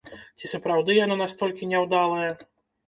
Ці сапраўды яно настолькі няўдалае?